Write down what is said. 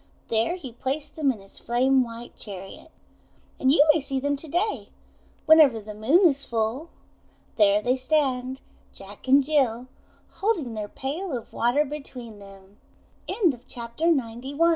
There he placed them in his flame white chariot. And you may see them to day, whenever the Moon is full. There they stand, Juke and Bil, holding their pail of water between them. 254 THE WONDER GARDEN THE S